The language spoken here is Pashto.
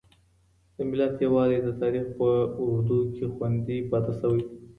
د ملت يووالی د تاريخ په اوږدو کې خوندي پاتې شوی دی.